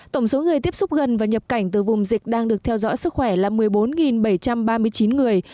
tổng số người tiếp xúc gần và nhập cảnh từ vùng dịch đang được theo dõi sức khỏe là một mươi bốn bảy trăm ba mươi chín người